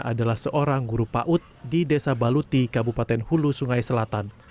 adalah seorang guru paut di desa baluti kabupaten hulu sungai selatan